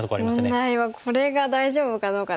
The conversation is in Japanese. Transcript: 問題はこれが大丈夫かどうかですよね。